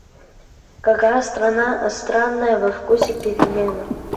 Какая странная во вкусе перемена!